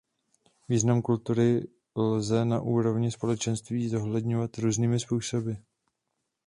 Význam kultury lze na úrovni Společenství zohledňovat různými způsoby.